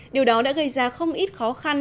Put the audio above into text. điều đó đã gây ra không ít khó khăn